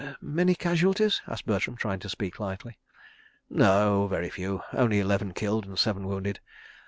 ..." "Many casualties?" asked Bertram, trying to speak lightly. "No—very few. Only eleven killed and seven wounded.